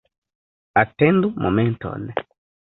Atendu momenton.